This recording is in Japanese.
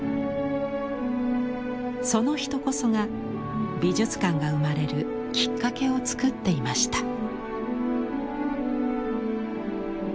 その人こそが美術館が生まれるきっかけをつくっていました。